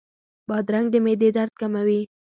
بادرنګ د معدې درد کموي.